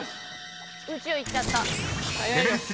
宇宙行っちゃった。